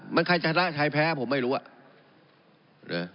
มันใครชนะชายแพ้ผมไม่รู้